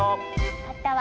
分かったわ！